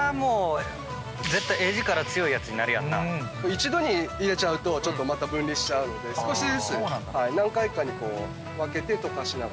一度に入れちゃうとまた分離しちゃうので少しずつ何回かに分けて溶かしながら。